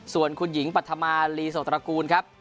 ส่วนคุณหญิงปัธมาลีโสตระกูลครับ